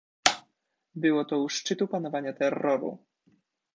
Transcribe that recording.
"Było to u szczytu panowania terroru."